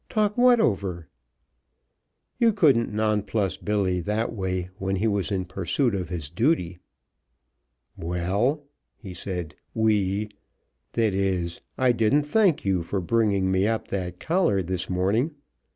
"Talk what over?" You couldn't nonplus Billy that way, when he was in pursuit of his duty. "Well," he said, "we that is, I didn't thank you for bringing me up that collar this morning.